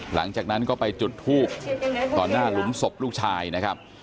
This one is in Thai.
หลังจากนั้นก็ไปจุดทูบต่อหน้าหลุมศพลูกชายนะครับ